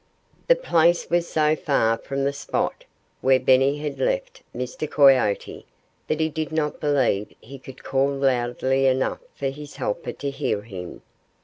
The place was so far from the spot where Benny had left Mr. Coyote that he did not believe he could call loudly enough for his helper to hear him.